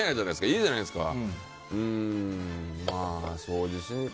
いいじゃないですか。